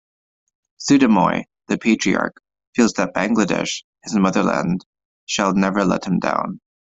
Sudhamoy, the patriarch, feels that Bangladesh, his motherland, shall never let him down.